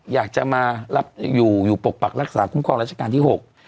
อยากจะมารับอยู่อยู่ปกปักรักษาคุ้มครองรัชกาลที่๖